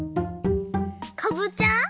かぼちゃ？